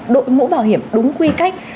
đội mũ bảo hiểm đúng quy cách